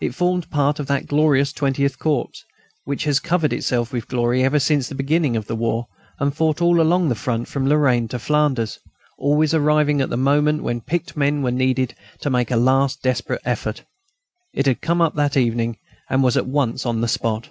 It formed part of that glorious 20th Corps, which has covered itself with glory ever since the beginning of the war, and fought all along the front from Lorraine to Flanders, always arriving at the moment when picked men were needed to make a last desperate effort. It had come up that evening, and was at once on the spot.